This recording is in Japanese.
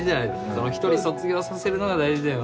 その一人卒業させるのが大事だよ。